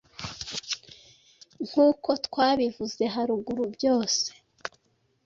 nk’uko twabivuze haruguru byose